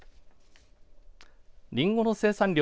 りんごの生産量